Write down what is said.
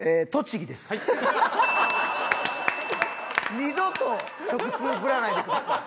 二度と食通ぶらないでください。